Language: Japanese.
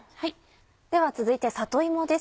では続いて里芋です。